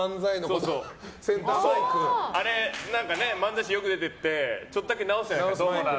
漫才師が出てってちょっとだけ直すじゃないですか。